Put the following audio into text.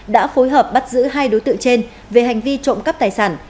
đã phối hợp bắt giữ hai đối tượng trên về hành vi trộm cắp tài sản